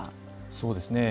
そうですね。